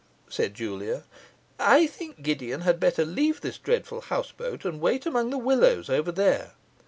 said Julia. 'I think Gideon had better leave this dreadful houseboat, and wait among the willows over there.